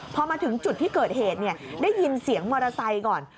พอมาถึงจุดที่เกิดเหตุได้ยินเสียงมอเตอร์ไซค์ก่อน